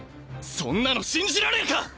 そんなの信じられるか！